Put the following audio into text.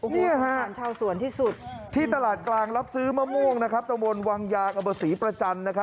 นี่ฮะที่ตลาดกลางรับซื้อมะม่วงนะครับตรงบนวังยากบศรีประจัน